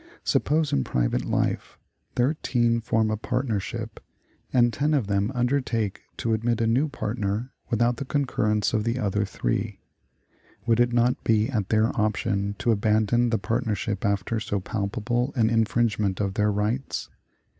Suppose, in private life, thirteen form a partnership, and ten of them undertake to admit a new partner without the concurrence of the other three; would it not be at their option to abandon the partnership after so palpable an infringement of their rights?